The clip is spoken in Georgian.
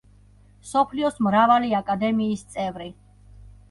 მსოფლიოს მრავალი აკადემიის წევრი.